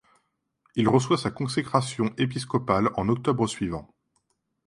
Il reçoit sa consécration épiscopale en octobre suivant.